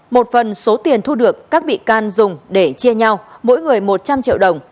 một phần số tiền thu được các bị can dùng để chia nhau mỗi người một trăm linh triệu đồng